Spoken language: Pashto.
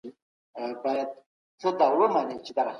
ولي خلګ په دروغو خبرو ډیر خوشحاله کیږي؟